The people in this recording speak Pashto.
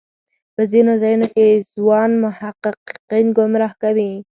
په ځینو ځایونو کې ځوان محققین ګمراه کوي.